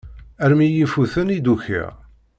Armi i yi-ifuten i d-ukiɣ.